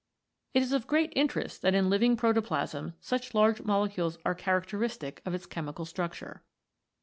It is of great interest that in living protoplasm such large molecules are characteristic of its chemical structure.